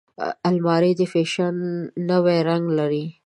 الماري د فیشن نوی رنګ لري